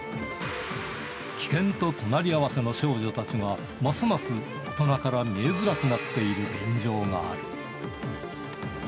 危険と隣り合わせの少女たちが、ますます大人から見えづらくなっている現状がある。